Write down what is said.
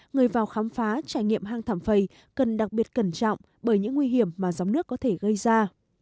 người vào khám phá trải nghiệm hang thảm phầy cần đặc biệt cẩn trọng bởi những nguy hiểm mà gióng nước có thể gây ra